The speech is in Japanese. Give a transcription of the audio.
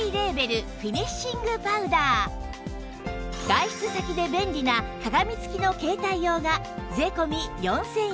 外出先で便利な鏡つきの携帯用が税込４０００円